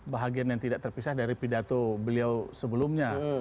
bahagian yang tidak terpisah dari pidato beliau sebelumnya